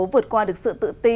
vượt qua được sự tự ti